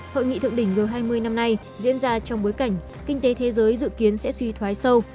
hội nghị thượng đỉnh g hai mươi năm nay diễn ra trong bối cảnh kinh tế thế giới dự kiến sẽ suy thoái sâu